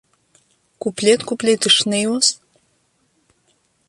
Куплет-куплет, ишнеиуаз.